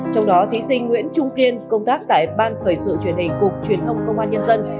trong đó thí sinh nguyễn trung kiên công tác tại ban thời sự truyền hình cục truyền thông công an nhân dân